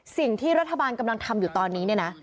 สิ่งที่รัฐบาลกำลังทำอยู่ตอนนี้เนี่ยนะ